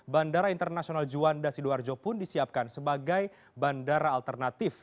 bandara internasional juanda sidoarjo pun disiapkan sebagai bandara alternatif